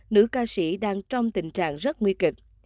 nữ ca sĩ đang trong tình trạng rất nguy kịch